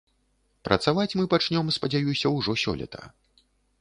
Працаваць мы пачнём, спадзяюся, ужо сёлета.